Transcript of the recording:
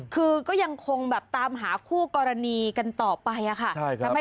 คือก็ยังคงแบบตามหาคู่กรณีกันต่อไปค่ะ